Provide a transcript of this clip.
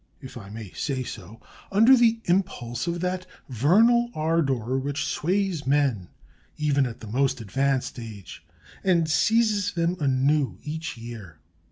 if I may say so, under the impulse of that vernal ardor which sways men even at the most advanced age, and seizes them anew each year.